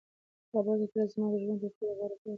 کابل ته تلل زما د ژوند تر ټولو غوره پرېکړه وه.